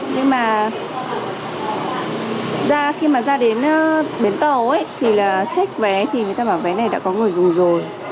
nhưng mà ra khi mà ra đến bến tàu thì là check vé thì người ta bảo vé này đã có người dùng rồi